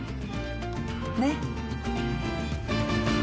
ねっ。